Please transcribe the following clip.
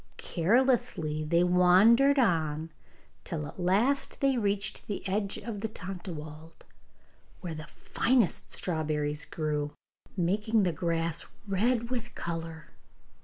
Carelessly they wandered on, till at last they reached the edge of the Tontlawald, where the finest strawberries grew, making the grass red with their colour.